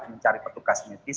mencari petugas medis